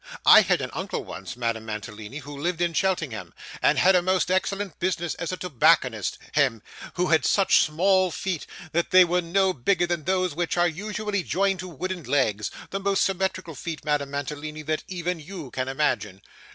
I had an uncle once, Madame Mantalini, who lived in Cheltenham, and had a most excellent business as a tobacconist hem who had such small feet, that they were no bigger than those which are usually joined to wooden legs the most symmetrical feet, Madame Mantalini, that even you can imagine.